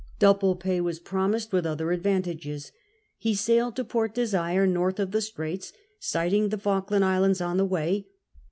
Double pay was promised, with other advantages. He sailed to Port Desire, north of the Straits, sighting the Falkland Islands on the way.